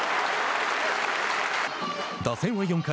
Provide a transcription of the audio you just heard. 打線は４回。